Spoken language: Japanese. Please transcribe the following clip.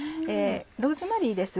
ローズマリーです。